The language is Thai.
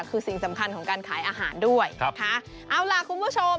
คือสิ่งสำคัญของการขายอาหารด้วยนะคะเอาล่ะคุณผู้ชม